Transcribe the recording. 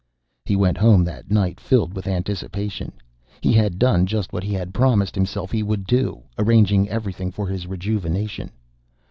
He went home that night filled with anticipation. He had done just what he had promised himself he would do, arranging everything for his rejuvenation.